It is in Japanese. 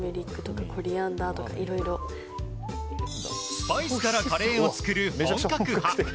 スパイスからカレーを作る本格派。